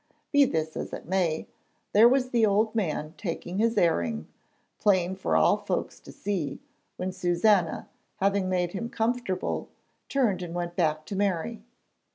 Be this as it may, there was the old man taking his airing, 'plain for all folks to see,' when Susannah, having made him comfortable, turned and went back to Mary.